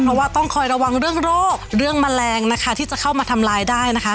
เพราะว่าต้องคอยระวังเรื่องโรคเรื่องแมลงนะคะที่จะเข้ามาทำลายได้นะคะ